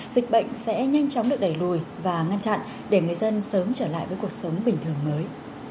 dịch bệnh sẽ nhanh chóng được đẩy lùi và ngăn chặn để người dân sớm trở lại với cuộc sống bình thường mới